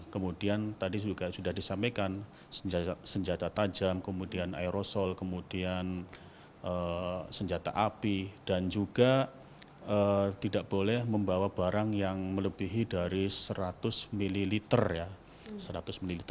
kemudian tadi juga sudah disampaikan senjata tajam kemudian aerosol kemudian senjata api dan juga tidak boleh membawa barang yang melebihi dari seratus ml seratus ml